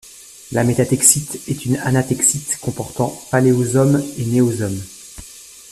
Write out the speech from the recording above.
La métatexite est une anatexite comportant paléosome et néosome.